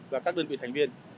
và các đơn vị thành viên